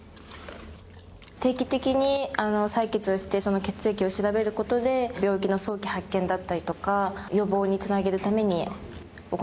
定期的に採血をしてその血液を調べることで病気の早期発見だったりとか予防につなげるために行っています。